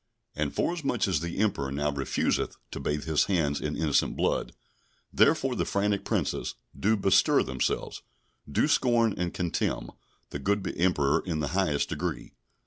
And forasmuch as the Emperor now refuseth to bathe his hands in innocent blood, therefore the frantic Princes do bestir themselves, do scorn and contemn the good Emperor in the highest degree.